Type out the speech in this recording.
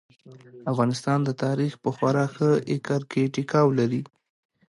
افغانستان د تاريخ په خورا ښه اکر کې ټيکاو لري.